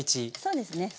そうですね。